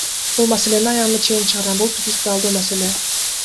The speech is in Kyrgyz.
Бул маселени аягына чейин чыгарам, бул принципиалдуу маселе!